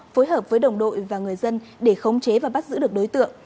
phối hợp với đồng đội và người dân để khống chế và bắt giữ được đối tượng